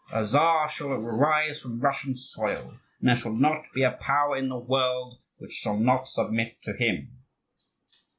A czar shall arise from Russian soil, and there shall not be a power in the world which shall not submit to him!"